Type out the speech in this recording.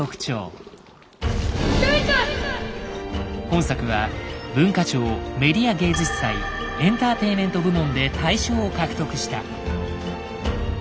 本作は文化庁メディア芸術祭エンターテインメント部門で大賞を獲得した。